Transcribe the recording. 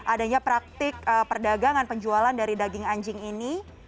adanya praktik perdagangan penjualan dari daging anjing ini